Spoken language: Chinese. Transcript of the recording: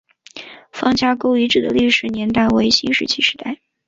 方家沟遗址的历史年代为新石器时代。